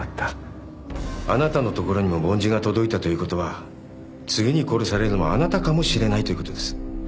あなたのところにも梵字が届いたということは次に殺されるのはあなたかもしれないということです。